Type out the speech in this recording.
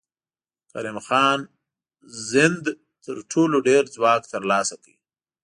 کریم خان زند تر ټولو ډېر ځواک تر لاسه کړ.